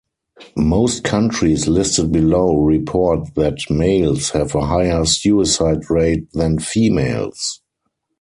Most countries listed below report that males have a higher suicide rate than females.